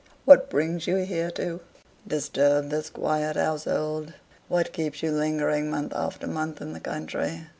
What brings you here to disturb this quiet household? What keeps you lingering month after month in the country?